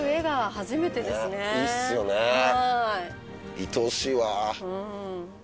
いとおしいわ。